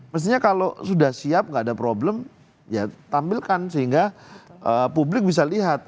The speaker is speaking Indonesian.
mestinya kalau sudah siap nggak ada problem ya tampilkan sehingga publik bisa lihat